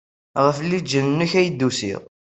Ɣef lǧal-nnek ay d-usiɣ.